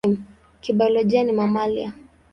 Kibiolojia ni mamalia.